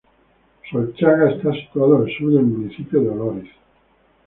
Solchaga está situado al sur del municipio de Olóriz.